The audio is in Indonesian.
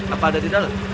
apa ada di dalam